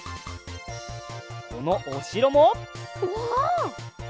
このおしろも。うわ！